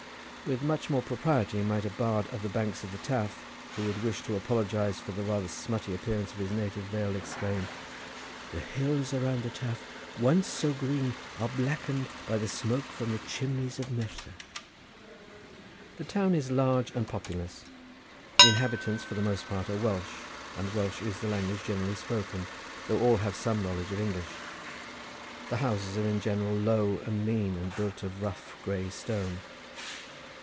With much more propriety might a bard of the banks of the Taf who should wish to apologise for the rather smutty appearance of his native vale exclaim: "The hills around the Taf once so green are blackened by the smoke from the chimneys of Merthyr." The town is large and populous. The inhabitants for the most part are Welsh, and Welsh is the language generally spoken, though all have some knowledge of English. The houses are in general low and mean, and built of rough grey stone.